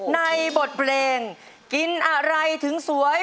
ในบทเพลงกินอะไรถึงสวย